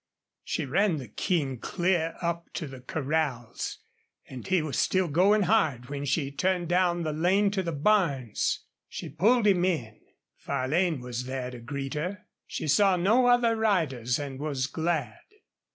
She ran the King clear up to the corrals, and he was still going hard when she turned down the lane to the barns. Then she pulled him in. Farlane was there to meet her. She saw no other riders and was glad.